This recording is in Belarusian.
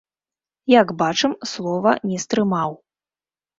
Як бачым, слова не стрымаў.